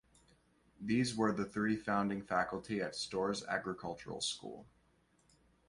These were the three founding faculty at Storrs Agricultural School.